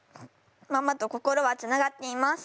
ママと心はつながっています。